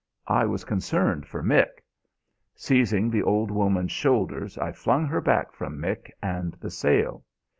I was concerned for Mick. Seizing the old woman's shoulders I flung her back from Mick and the sail.